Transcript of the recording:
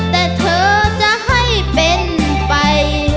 แต่เธอจะให้เป็นไป